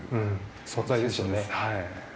存在ですよね。